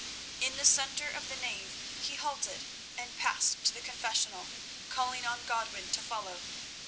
In the centre of the nave he halted and passed to the confessional, calling on Godwin to follow.